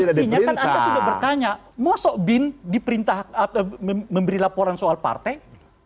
mestinya kan anda sudah bertanya mau sok bin diperintah atau memberi laporan soal partai